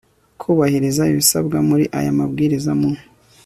kubahiriza ibisabwa muri aya mabwiriza mu